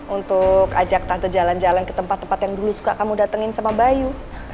untuk ajak tante jalan jalan ke tempat tempat yang dulu suka kamu datengin sama bayu